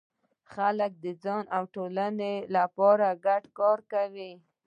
خلک د ځان او ټولنې لپاره په ګډه کار کوي.